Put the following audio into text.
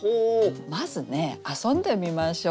まずね遊んでみましょう。